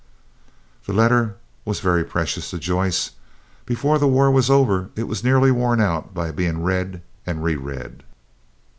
That letter was very precious to Joyce. Before the war was over it was nearly worn out by being read and reread.